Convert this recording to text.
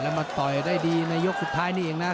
มาต่อยได้ดีในยกสุดท้ายนี่เองนะ